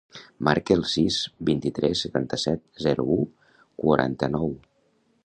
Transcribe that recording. Marca el sis, vint-i-tres, setanta-set, zero, u, quaranta-nou.